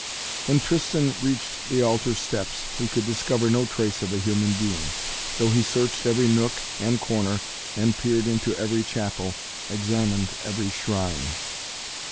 When Tristan reached the altar steps he could discover no trace of a human being, though he searched every nook and corner and peered into every chapel, examined every shrine.